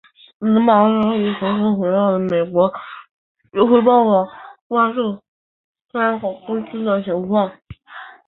伦诺克斯等人于是成功回到了美国并汇报了有关遭受霸天虎攻击的情况。